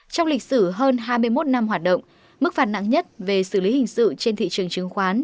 trong lịch sử hơn hai mươi một năm hoạt động mức phạt nặng nhất về xử lý hình sự trên thị trường chứng khoán